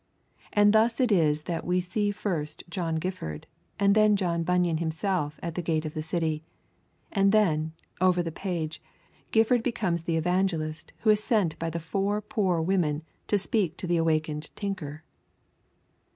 And thus it is that we see first John Gifford, and then John Bunyan himself at the gate of the city; and then, over the page, Gifford becomes the evangelist who is sent by the four poor women to speak to the awakened tinker.